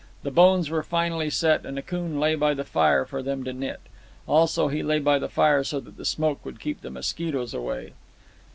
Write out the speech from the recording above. The bones were finally set, and Akoon lay by the fire for them to knit. Also, he lay by the fire so that the smoke would keep the mosquitoes away.